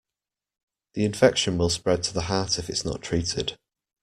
The infection will spread to the heart if it's not treated.